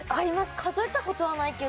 数えた事はないけど。